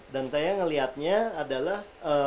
dan saya ngeliatnya adalah